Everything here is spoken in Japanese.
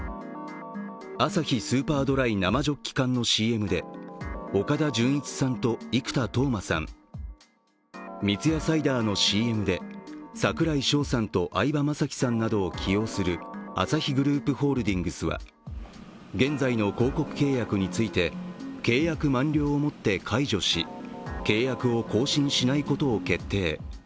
アサヒスーパードライ生ジョッキ缶のＣＭで岡田准一さんと生田斗真さん、三ツ矢サイダーのＣＭで櫻井翔さんと相葉雅紀さんなどを起用するアサヒグループホールディングスは現在の広告契約について契約満了をもって解除し契約を更新しないことを決定。